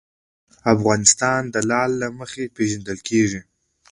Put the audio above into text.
افغانستان د لعل له مخې پېژندل کېږي.